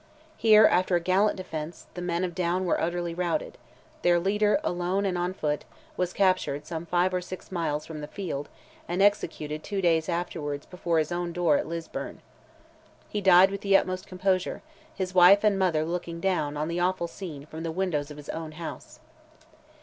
Here, after a gallant defence, the men of Down were utterly routed; their leader, alone and on foot, was captured some five or six miles from the field, and executed two days afterwards before his own door at Lisburn. He died with the utmost composure; his wife and mother looking down, on the awful scene from the windows of his own house.